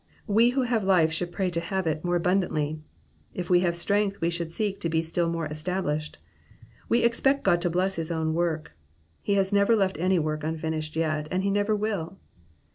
We who have life should pray to have it more abundantly ;" if we have strength we should seek to be still more established. We expect God to bless his own work. He has never left any work unfinished yet, and he never will.